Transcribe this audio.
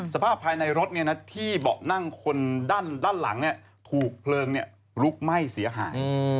สภาพภายในรถที่เบาะนั่งคนด้านหลังถูกเพลิงลุกไหม้เสียหาย